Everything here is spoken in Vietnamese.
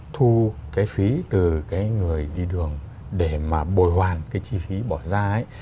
thu cái phí từ cái người đi đường để mà bồi hoàn cái chi phí bỏ ra ấy